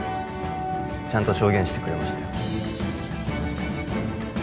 ちゃんと証言してくれましたよ